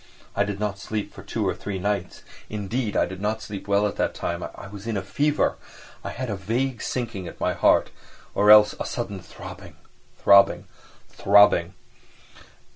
I did not sleep for two or three nights. Indeed, I did not sleep well at that time, I was in a fever; I had a vague sinking at my heart or else a sudden throbbing, throbbing, throbbing!